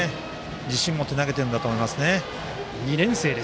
自信を持って投げてると思います。